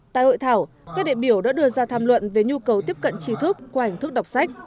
tại hội thảo các đại biểu đã đưa ra tham luận về nhu cầu tiếp cận trí thức qua hình thức đọc sách